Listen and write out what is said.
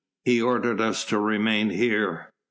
"He ordered us to remain here."